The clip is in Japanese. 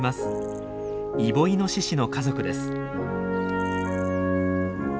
イボイノシシの家族です。